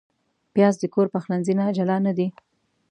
پیاز د کور پخلنځي نه جلا نه دی